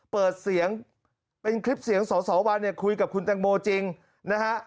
เปิดเสียงเป็นคลิปเสียงสอสอวันเนี่ยคุยกับคุณแตงโมจริงนะฮะ